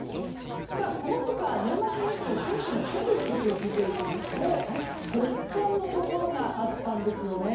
この他、年末年始の天気のトピックスを見ていきますと極寒のところがあったんですよね。